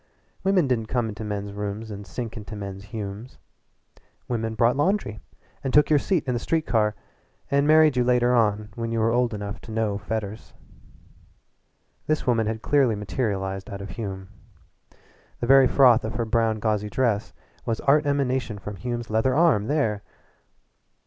Women didn't come into men's rooms and sink into men's Humes. Women brought laundry and took your seat in the street car and married you later on when you were old enough to know fetters. This woman had clearly materialized out of Hume. The very froth of her brown gauzy dress was art emanation from Hume's leather arm there!